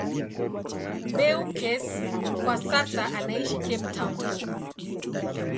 Beukes kwa sasa anaishi Cape Town.